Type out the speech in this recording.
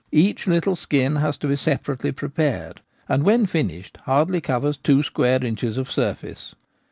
Each little skin has to be separately prepared, and when finished hardly covers two square inches of surface.